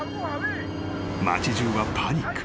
［街じゅうはパニック。